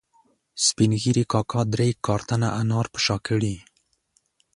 سپین ږیري کاکا درې کارتنه انار په شا کړي